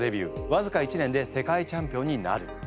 わずか１年で世界チャンピオンになる。